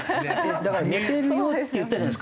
だから「寝てるよ」って言ったじゃないですか。